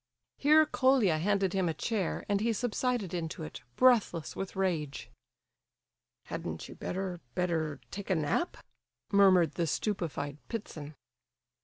Here Colia handed him a chair, and he subsided into it, breathless with rage. "Hadn't you better—better—take a nap?" murmured the stupefied Ptitsin.